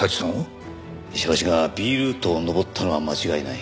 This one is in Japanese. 石橋がＢルートを登ったのは間違いない。